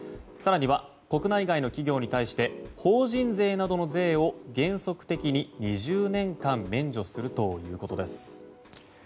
更には国内外の企業に対して法人税などの税を原則的に２０年間免除するということです。